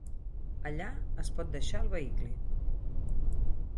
Allà es pot deixar el vehicle.